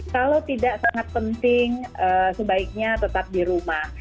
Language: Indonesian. kalau tidak sangat penting sebaiknya tetap di rumah